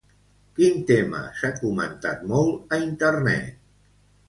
Quin tema s'ha comentat molt a Internet?